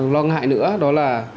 lo ngại nữa đó là